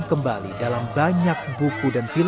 dan kembali dalam banyak buku dan film